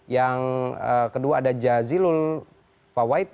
yang kedua ada jazilul fawait